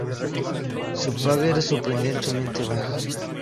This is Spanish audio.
Su paga era sorprendentemente baja.